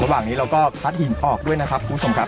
ระหว่างนี้เราก็พัดหินออกด้วยนะครับคุณผู้ชมครับ